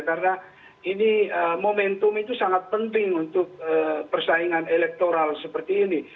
karena momentum itu sangat penting untuk persaingan elektoral seperti ini